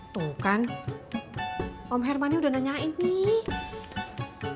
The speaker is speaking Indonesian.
tuh kan om hermani udah nanyain nih